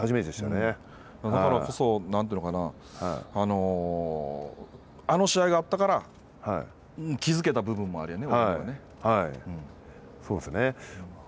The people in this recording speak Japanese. だからこそ、何というのかな、あの試合があったから気付けた部分があるよね。